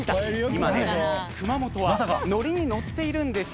今ね熊本はノリにのっているんですよ。